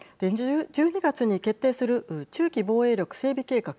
１２月に決定する中期防衛力整備計画。